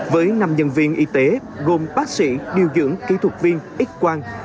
với năm nhân viên y tế gồm bác sĩ điều dưỡng kỹ thuật viên ít quang